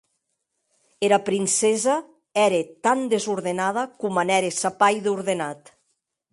Era princessa ère tan desordenada, coma n’ère sa pair d’ordenat.